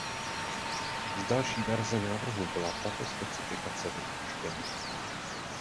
Z další verze návrhu byla tato specifikace vypuštěna.